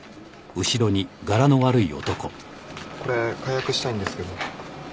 これ解約したいんですけど。